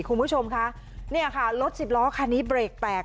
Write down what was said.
คุณผู้ชมคะเนี่ยค่ะรถสิบล้อคันนี้เบรกแตก